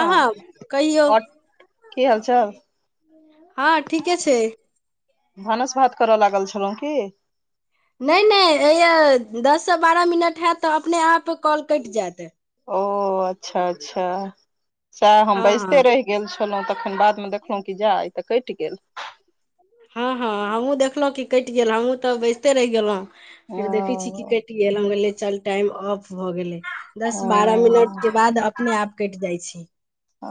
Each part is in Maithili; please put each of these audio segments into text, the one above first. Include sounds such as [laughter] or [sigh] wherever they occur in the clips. हँ ओर की हाल चाल हँ ठीके छै भानस भात करय लागल छलो की नय नय एहिय दससँ बारह मिनट होयत तऽ अपने आप कॉल कइट जायत ओ अच्छा अच्छा सएह हम हँ बैजते हँ रहि गेल छलहुँ तखन बात मे देखलो कि जा इ तऽ कइट गेल हँ हँ हमहुँ देखलो कि कइट गेल हमहूँ तऽ बैसिते रहि गेलहुँ ओ फिर देखे छी कि कटि कइट गेल हम कहलिए चल टाइम ऑफ भऽ गेले दस ओ बारह मिनट के बाद अपने आप कइट जाइ छय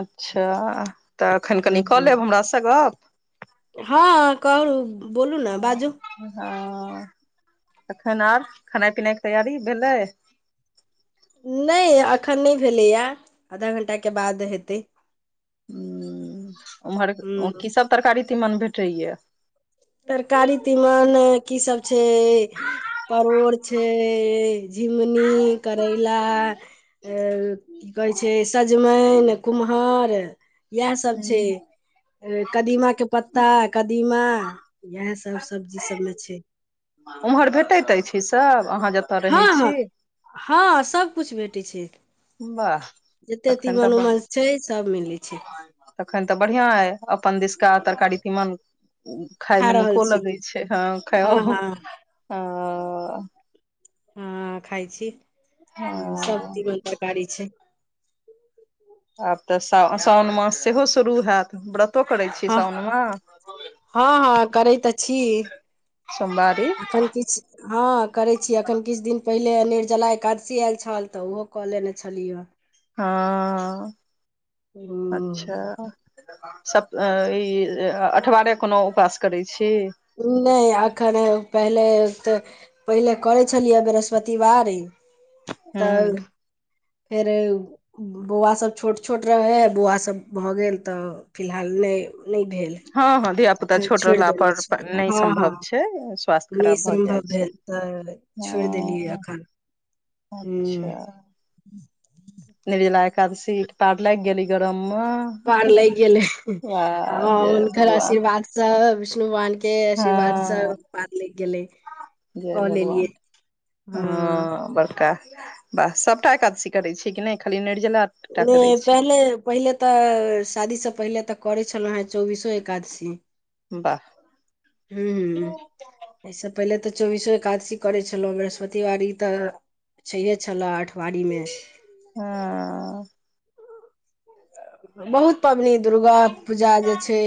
अच्छा तऽ एखन हूँ कनि कऽ हूँ लेब हमरा स गप हँ कहू बोलू ने बाजू हँ तखन आर खेनाइ पिनाइ के तैयारी भेलै नय एखन नय भेलैए आधा घंटाके बाद हेतै ह उम्हर हूँ की सब तरकारी तीमन भेटैय तरकारी तीमन की सब छै परोड़ छै झिंगुनी करैला की कहै छै सजमेइन कुम्हहार इएह सब छै कदीमा के पत्ता कदीमा इएह सब सब्जी सब में छै ओम्हर भेटैत अछि ई सभ अहाँ ज हँ हँ [inaudible] हँ सबकुछु भेटैत छै वाह [inaudible] जते तखन तऽ तीमन बड़ उमन छै सब मिलै छै तखन तऽ बढ़ियां यै अपन दिसका तरकारी तीमन खाय खा में रहल नीको छी लगै छै ह हँ खा हँ [unintelligible] हँ खाय छी [inaudible] सब हँ। तीमन तरकारी छै आब तऽ सा साओन मास सेहो शुरू हैत व्रत तो करै छी हँ साउन में हँ हँ करैत [inaudible] सोमवारी एखन किछ हँ करै छीय एखन किछ दिन पहिले निर्जला एकादशी आयल छल तऽ ओहो कऽ लेने छलियै हँ [inaudible] हूँ, अच्छा सप [unintelligible] ई अठवारे कोनो उपवास करै छी नै अखन पहिले तऽ पहिले करै छलियै बृहस्पतिवारी हूँ [unintelligible] फेर बौआ सभ छोट छोट रहै हइ बौआ सभ भऽ गेल तऽ फिलहाल नै नै भेल हँ हँ धियापुता अखन छोट छोड़ि रहला देने पर प छियै नै हँ हँ सम्भव छै स्वास्थ्य नहि खराब भऽ सम्भव जाइ छै भेल तऽ छोड़ि देलियै अखन [unintelligible] हूँ अच्छा [unintelligible] निर्जला एकादशी पार लैग गेल यै गरम में पार लग गेलै आ जय हुनकर भगवान आशीर्वाद स विष्णु भगवान केँ केँ आशीर्वाद स हँ पार लैग गेलै [inaudible] जय कऽ भगवान लेलियै हँ बड़का बाह सभटा एकादशी करै छी कि नै खाली निर्जला टा नै करै छी पहिले पहिले तऽ शादीसँ पहिले तऽ करै छलौ हें चौबीसो एकादशी वाह [unintelligible] यै स पहिले तऽ चौबीसो एकादशी करै छलौ बृहस्पतिवारी तऽ छैे छला आठबारी में हऽ बहुत पबनि दुर्गा पूजा जे छै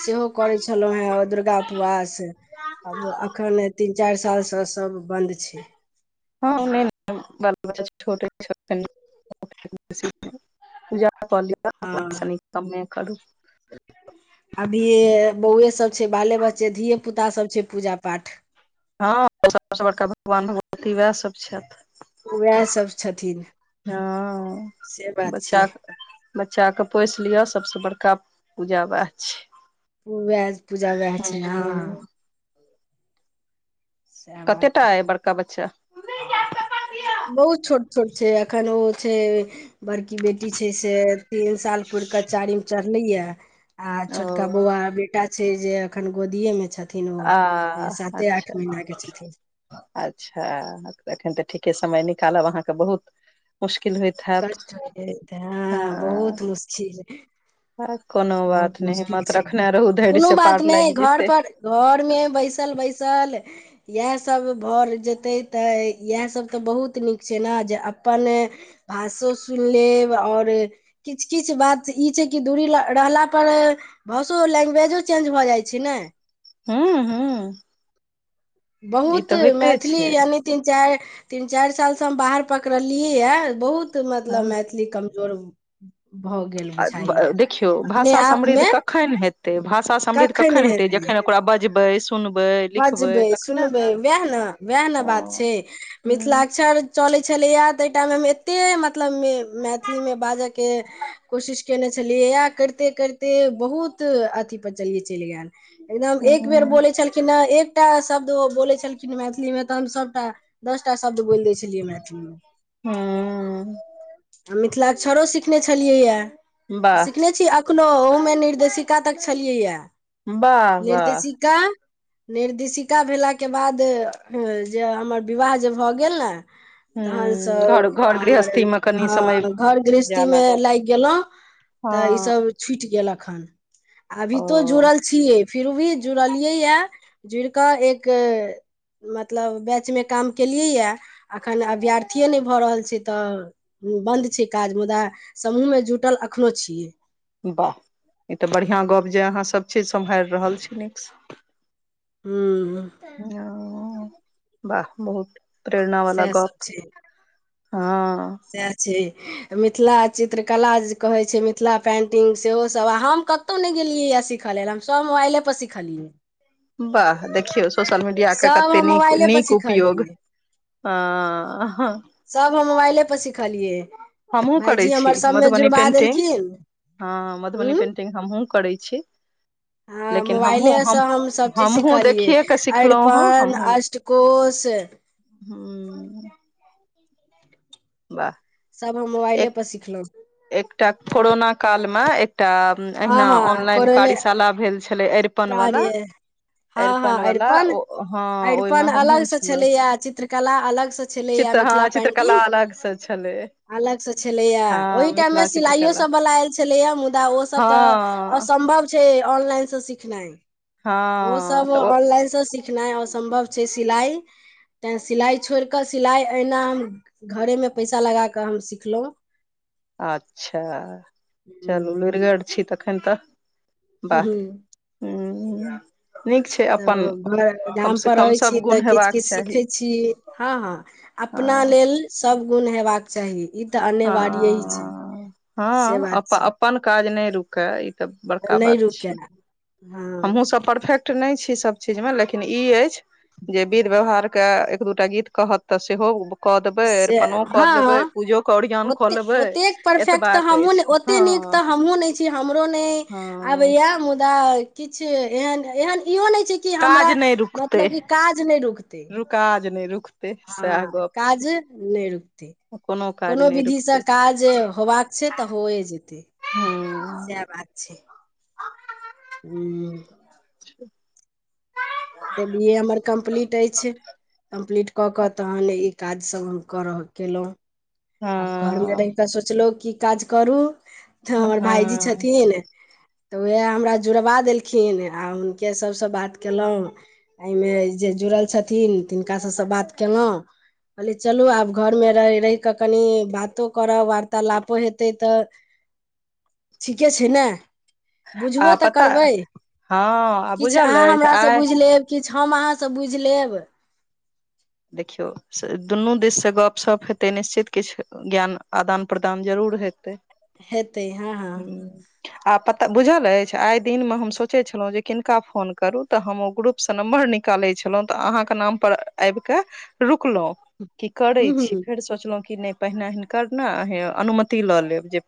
सेहो करै छलौ हे दुर्गा उपवास आब एखन तीन चाइर साल स सब बन्द छै [unintelligible] हँ [unintelligible] अभी बौए सब छै बाले बच्चे धिये पुता सब छै पूजा पाठ हँ सब बड़का भगवान भगवती उएह सभ छैथ उएह सब [unintelligible] छथिन हँ से बात छै बच्चा कऽ बच्चा कऽ पोइस लिअ सबस बड़का पूजा वैह छियै उएह पूजा उएह छै हँ हूँ सएह कते टा बात अय बड़का बच्चा बहुत छोट छोट छै एखन ओ छै बड़की बेटी छै से तीन साल पुर कऽ चारीम चढ़लैए आ छोटका ओ बौआ बेटा छै जे अखन गोदिये में छैथ छथिन। आ ओ साते अच्छा आठ महीना के छथिन। अच्छा एखन तऽ ठीके समय निकालब अहाँके बहुत मुश्किल भेल कष्ट हो हा बहुत मुश्किल आ कोनो बहुत बात नहि मुश्किल हिम्मत छै। रखने रहू धैर्य कोनो से बात पार नहि लागि घोर जेतै पर घोर में बैसल बैसल इएह सभ भऽ जेतै तऽ इएह सभ तऽ बहुत नीक छै। ने जे अप्पन भाषो सुन लेब आओर किछु किछु बात ई छै। कि दूरी ल रहला पर भाषो लैंग्वेजो चेंज भऽ जाइ छै। न हूँ हूँ ई बहुत तऽ होइते मैथिली छै यानि तीन चारि तीन चारि साल सँ हम बाहर पकड़लियै य बहुत हँ मतलब मैथिली कमजोर भऽ गेल बुझाइया देखियौ अपने भाषा आप समृद्ध मे कखन हेतै भाषा समृद्ध कखन हेतै जखन ओकरा बजबै सुनबै लिखबै बजबै तखने सुनबै ने उएह ने वएह ने ओ बात छै। हूँ मिथिलाक्षर चलै छलैए ताहि टाइम हम एतेक मतलब मैथिली में बाजय के कोशिश केने छलियै या करिते करिते बहुत अथी परे चलिये चलि गेल एकदम एक बेर हूँ बोले छलखिन एकटा शब्द ओ बोले छलखिन मैथिली में तहन सभटा दश टा शब्द बोल दे छि मैथिल हूँ मिथिलाक्षरो सिखने छलियै या वाह सिखने छी एखनहु ओहू में निर्दशिका तक छलियैए वाह वाह निर्देशिका निर्देशिका भेला के बाद जे हमर विवाह जे भऽ गेल न तखन हूँ घर सभ घर हमर गृहस्थी मे कनि समय हँ घोर गृहस्थी में लागि गेलहुँ हा तऽ ईसभ छुटि गेलक हन अभी तो जुड़ल छीये फिर भी जुड़लिये या जुड़ कऽ एक मतलब बैच में काम केलियै यए अखन अभ्यर्थीए नहि भऽ रहल छै। तऽ बन्द छै। काज मुदा समूह में जुटल एखनो छियै वाह ई तऽ बढ़िआ गप जे अहाँ सभ चीज संभल रहल छी नीक सँ हूँ वाह बहुत प्रेरणा वाला सएह सभ गप छै हा मिथिला चित्रकला जे कहै छै। मिथिला पेंटिंग सेहो सभ आ हम कतहु नहि गेलियै य सिख ल हम सभ मोबाइले पर सिखलियै वाह देखियौ सोशल मीडिया के सब कते हम नीक मोबाइले पर नीक सिखलियै उपयोग हाँ हाँ सभ हम मोबाइले पर सिखलियै हमहूँ भायजी करैत छी हमर सबमे मधुबनी जुड़बा पेन्टिंग देलखिन हँ मधुबनी उं पेन्टिंग हमहूँ करैत छी हँ लेकिन हमहूँ मोबाइले से हम सब चीज हमहूँ सिखलियै देखिए कऽ सिखलहुँ अरिपन हमहूँ अष्टकोश हूँ बाह सब हम मोबाइले एक पर सिखलहुँ एकटा कोरोना कोरोना न कल में एकटा हँ अहिना हँ ऑनलाइन कोरोने कार्यशाला भेल छले अरिपन वाला कार्य हँ हँ अरिपन वला ओ हँ ओहि में अरिपन हमहुँ अलगसँ छलहुँ छलैए चित्रकला अलगसँ छलैए चित्र हँ चित्रकला अलगसँ छलै अलग से छलैए ओहि हँ टाइम मे मिथिला चित्रकला सिलाइयोसभवला आयल छलैएा मुद्दा ओसभ तऽ हँ सम्भव छै ऑनलाइन से सिखनाइ हँ उसब तऽ ओ ऑनलाइन से सिखनाइ असम्भव छै सिलाइ ते सिलाइ छोड़ कऽ सिलाइ एना हम घरेमे पैसा लगा कऽ हम सिखलो अच्छा चलू लुरिगर छी तखन तऽ वाह हूँ तऽ घर गाम पर कम रहै छी सब गुण तऽ किछ हेबाक किछ चाही सीखै छी हँ हँ अपना हँ लेल सब गुण हेबाक चाही ई तऽ अनिवार्य ही छी हँ से हँ बात अपन छी अपन काज नय रुकै ई तऽ बड़का नहि बात रुकै छै हमहुँ हँ सब परफेक्ट नहि छी सभ चीज में लेकिन ई ऐछ जे विध व्यवहार के एक दूटा गीत कहत तऽ सेहो कऽ देबै से अरिपनो कऽ लेबै हँ पूजोे ओरियान कऽ ओते लेबै ओतेक परफेक्ट तऽ एतबाक हमहूँ ऐछ नहि ओते नीक तऽ हमहुँ नय छी हमरो नय हँ आबैया मुद्दा किछु एहन एहन इहो नय छै कि हमरा काज नहि रुकतै मतलब कि काज नय रुकतै काज नय रुकते हँ काज नय रुकते काज कोनो नहि विधि से रुकतै काज होबाक छै तऽ होए जेतै हूँ सैह बात छै [inaudible] हूँ [inaudible] तऽ बी ए हमर कम्प्लीट ऐछ कम्प्लीट कऽ कऽ तहन ई काजसभ हम करऽ केलऊ आब घरमे हँ रहि कऽ सोचलहु की काज करू तऽ हमर भायजी हँ छथिन तऽ उएह हमरा जुड़वा देलखिन आ हुनके सभसँ बात कयलो एहिमे जे जुड़ल छथिन तिनका सभसँ बात कयेलो कहली चलू आब घर मे रहि रहि के कनि बातो करब वार्तालापो हेतै तऽ ठीके छै न बुझबो आ तऽ पता करबै हँ आ किछु बुझल अहाँ अछि हमरा सँ आइ बुझि लेब किछु हम अहाँसँ बुइझ लेब देखियौ दुनू दिस से गप सप हेतै निश्चित किछु ज्ञान आदान प्रदान जरूर हेतै हेतै हँ हँ [inaudible] हूँ आ पता बुझल ऐछ आइ दिनमे हम सोचै छलोह जे किनका फोन करू तऽ हम ओ ग्रुप से नम्बर निकालै छलहुँ तऽ अहाँके नाम पर आबि के रुकलो कि करै हूँ छी हूँ फेर सोचलो कि नय पहिने हिनकर ने अनुमति लऽ लेब जे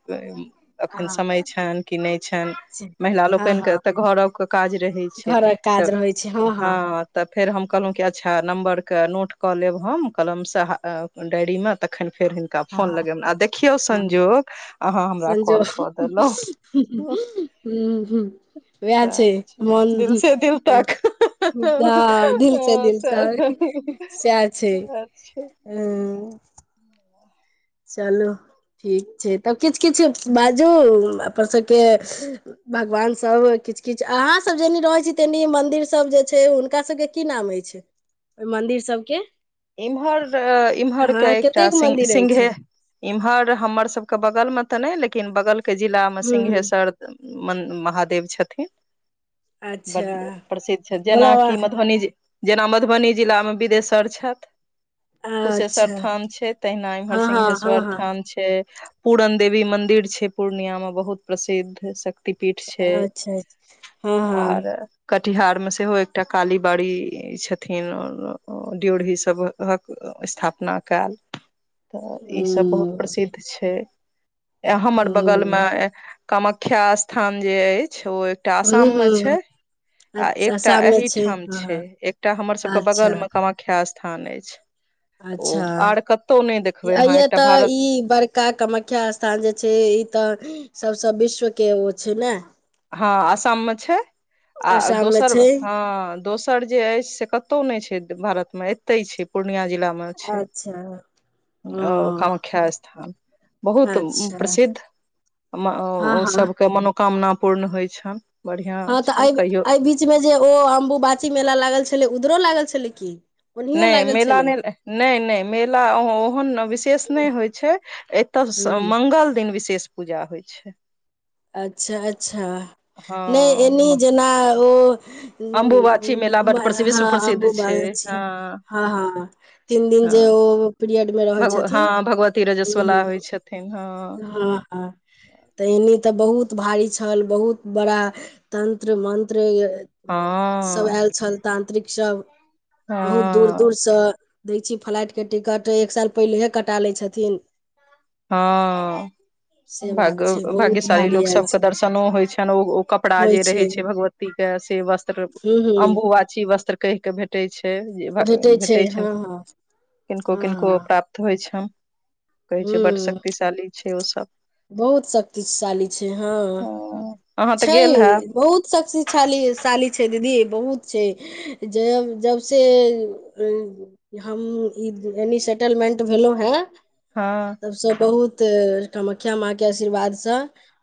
एखन समय छेन कि नइ छेन महिला हँ लोकेन के हँ तऽ घर के काज रहै छै घरक तऽ काज रहै हँ हँ तऽ फेर हम कहलो कि अच्छा नम्बर के नोट कऽ लेब हम कलमसँ डायरीमे तखन फेर हँ फोन हँ लगेबनि आ देखियौ हँ संजोग अहाँ हमरा कॉल कऽ देलहुँ [inaudible] वेह छै सएह मन दिल से दिल तक [inaudible] दिलस दिलस सएह सएह छै छै ह चलू ठीक छै तब किछ किछ बाजू अपन सभके भगवानसभ किछ किछ अहाँसभ जेनी रहै छी तेनी मन्दिरसभ जे छै हुनका सभके की नाम अछि ओहि मंदिर सबके इमहर इमहरके हँ एकटाि कतेक सिंघ मंदिर अछि सिंघे इम्हर हमरसभके बगलमे तऽ नहि लेकिन बगलके जिलामे हूं हूं सिंघेश्वर म महादेव छथिन बड अच्छा प्रसिद्ध छै भोला जेनाकि मधुबनी जे जेना मधुबनी जिलामे बिदेशर छथि बाबा कुशेश्वर अच्छा थान छै तहिना इम्हर हँ हँ हँ सिंघेश्वर हँ थान छै पूरन देवी मंदिर छै पूर्णिया म बहुत प्रसिद्ध श्ति पीठ छै अच्छा अच्छा, हँ हँ आर कटिहार मे सेहो एकटा काली बारी छथिन ड्योरी सब स्थापना क‌एल त ई सब बहुत हूं प्रसिद्ध छै आ हमर हूँ बगलम कामाख्या स्थान जे अछि ओ एकटा हूँ आसाम मे छै हूँ आ एकटा आसाममे छै अहिठाम हँ छै हँ एकटा हमर सबके अच्छा बगलम कामा ख्या स्थान अछि अच्छा आर कतौ नहि देखबै अहाँ आय एकटा तऽ भारत ई बड़क का कामख्या स्थान जे छै ई तऽ सबस विश्व के ओ छै ने हँ आसममे छै आ आसाम मे दोसर छै हँ दोस दोसर जे अछि से कतौ नहि छै भारत मे एते छै पूर्णिया जिला मे अच्छा ओ कामाख्या स्थान बहुत अच्छा प्रसिद्ध हँ ओ हँ सबके मनो कामना पूर्ण होइ छनि बढ़िआँ हँ तऽ छै एहि कहियो एहि बीच मे जे ओ अम्बुबाची मेला लागल छलै उधरो लागल छलै की ओनहियो नहि लागल मेला छलै नहि नहि नहि मेला ओहन विशेष नहि होइ छै एतय हूँ मङ्ंगल दिन विशेष पूजा होइ छै अच्छा अच्छा नहि एनी हँ जेना ओ अम्बुबाछी मेला बड प्रसिद्ध विश्व हँ प्रसिद्ध छै हँ [inaudible] हँ हँ तीन दिन जे हँ पीरियड मे रहै छथिन ठेँ हं हँ हँ त एने तऽ बहुत भारी छल बहुत बड़ा तंत्र मन्त्र हं सब आयल छल तांत्रिक सब बहुत दूर हँ दूरसँ दै छी फ्लाइटके टिकट एक साल पहिलेहे कटा लै छथिन हँ से बात छै भाग्य बहुत भाग्यशाली भारी लोक आयल सबके छै दर्शनो होइ छनि ओ ओ कपड़ा जे रहै छै भगवती के से वस्त्र हूँ हूँ अम्बुवाची वस्त्र कहि के भेटे छै छै भेटै छनि हँ हँ किनको किनको हँ प्राप्त होइ छनि कहै छै हूँ शक्तिशाली छै। ओ सभ बहुत शक्तिशाली छै। हँ हा हँ अहाँ तऽ गेल हैब छै। बहुत शक्तिशाली साली छै। साली बहुत छै। जब जब से हम ई एान सेटलमेंट भेलो हे हँ तब सभ बहुत कामख्या माँ केँ आशीर्वाद सँ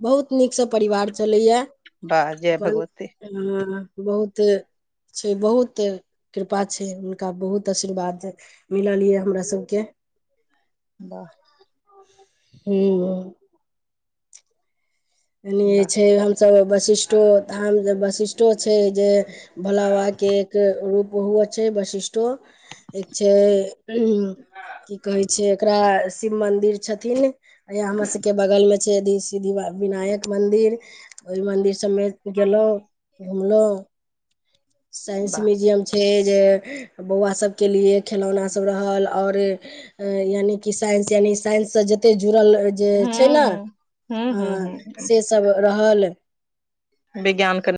बहुत नीक सँ परिवार चलैए बाह जय भगवती हा बहुत छै। बहुत कृपा छै। हुनका बहुत आशीर्वाद मिलल यऽ हमरा सभ के वाह हा कनि वाह छै। हमस वशिष्ठो हम वशिष्ठ छै। जे भोला बाबा के एक रूप बहु छै। वशिष्ठटो एक छै। की कहे छै। एकरा शिव मंदिर छथिन या हमर सभ के बगल में छै। सीधी बाब विनायक मन्दिर ओहि मन्दिर सभ में गेलहुँ घुमलहुँ साइंस वाह म्यूजियम छै। जे बौआ सभ के लिए खेलौना सभ रहल आओर ह यानि कि साइंस यानि साइंस सऽ जते जुड़ल जे छै। ने हूँ हूँ हँ हूँ हूँ सँ सभ रहल विज्ञान के